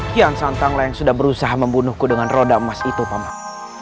kian santanglah yang sudah berusaha membunuhku dengan roda emas itu pak mak